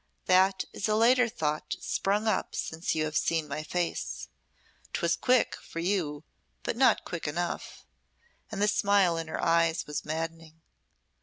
"That is a later thought sprung up since you have seen my face. 'Twas quick for you but not quick enough." And the smile in her eyes was maddening.